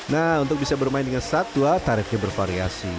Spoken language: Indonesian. nah untuk bisa bermain dengan satwa tarifnya bervariasi